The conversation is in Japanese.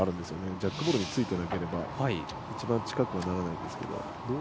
ジャックボールについていなければ一番近くにはならないんですが。